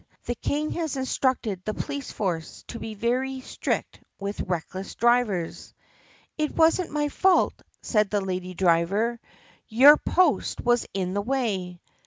The King has instructed the police force to be very strict with reckless drivers." "It was n't my fault," said the lady driver. "Your post was in the way."